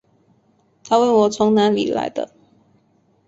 她问我从哪里来的